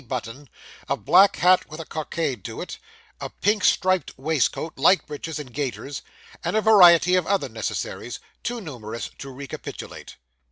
button, a black hat with a cockade to it, a pink striped waistcoat, light breeches and gaiters, and a variety of other necessaries, too numerous to recapitulate.